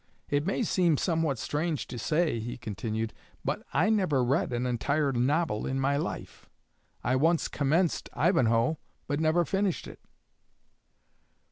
It may seem somewhat strange to say," he continued, "but I never read an entire novel in my life. I once commenced 'Ivanhoe,' but never finished it."